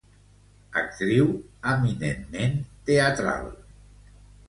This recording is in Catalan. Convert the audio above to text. Actriu eminentment teatral.